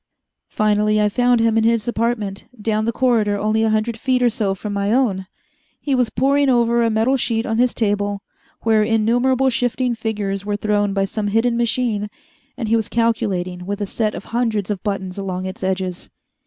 Finally I found him in his apartment, down the corridor only a hundred feet or so from my own. He was pouring over a metal sheet on his table, where innumerable shifting figures were thrown by some hidden machine, and he was calculating with a set of hundreds of buttons along its edges.